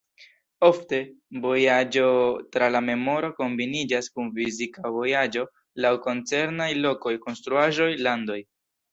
Ofte, vojaĝo tra la memoro kombiniĝas kun fizika vojaĝo laŭ koncernaj lokoj, konstruaĵoj, landoj.